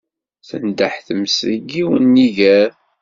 Tendeh tmes deg yiwen n yiger.